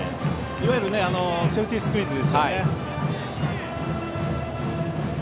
いわゆるセーフティースクイズですね。